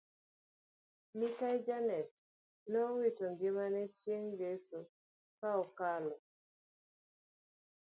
Mikai janet neowito ngimane chieng ngeso kaokalo